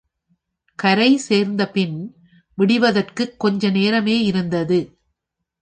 கரை சேர்ந்தபின் விடிவதற்குக் கொஞ்ச நேரமே இருந்தது.